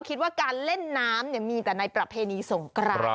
คิดว่าการเล่นน้ำมีแต่ในประเพณีสงกราน